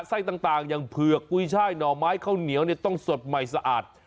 ไส้ต่างอย่างเผือกกุยช่ายหน่อไม้ข้าวเหนียวเนี่ยต้องสดใหม่สะอาด